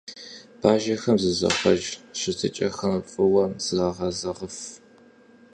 Бажэхэм зызыхъуэж щытыкӏэхэм фӀыуэ зрагъэзэгъыф.